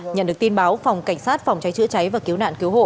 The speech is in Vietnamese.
nhận được tin báo phòng cảnh sát phòng cháy chữa cháy và cứu nạn cứu hộ